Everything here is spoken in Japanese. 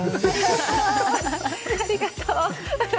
ありがとう。